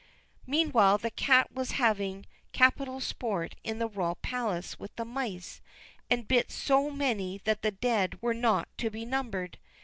Meanwhile the cat was having capital sport in the royal palace with the mice, and bit so many that the dead were not to be numbered.